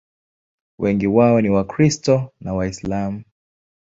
Wengi wao ni Wakristo na Waislamu.